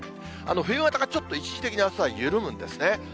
冬型がちょっと一時的にあすは緩むんですね。